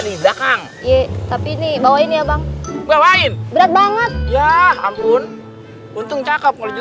di belakang tapi ini bawain ya bang bawain berat banget ya ampun untung cakep makasih ya